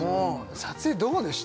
撮影どうでした？